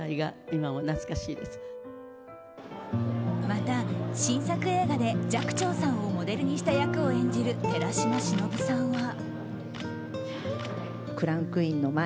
また、新作映画で寂聴さんをモデルにした役を演じる寺島しのぶさんは。